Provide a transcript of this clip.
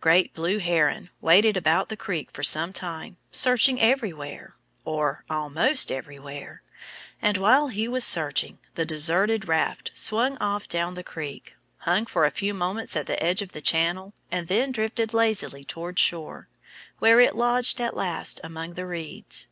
Great Blue Heron waded about the creek for some time, searching everywhere or almost everywhere. And while he was searching, the deserted raft swung off down the creek, hung for a few moments at the edge of the channel, and then drifted lazily toward shore, where it lodged at last among the reeds.